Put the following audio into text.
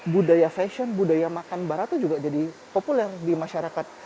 budaya fashion budaya makan barat itu juga jadi populer di masyarakat